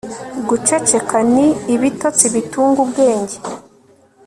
guceceka ni ibitotsi bitunga ubwenge